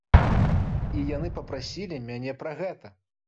І яны папрасілі мяне пра гэта.